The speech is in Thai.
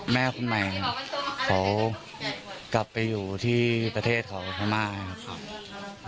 แม่คุณใหม่เขากลับไปอยู่ที่ประเทศเขาอาทิมาครับครับ